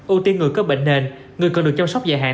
ưu tiên người có bệnh nền người cần được chăm sóc dài hạn